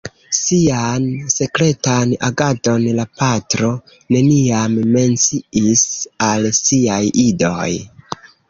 Sian sekretan agadon la patro neniam menciis al siaj idoj.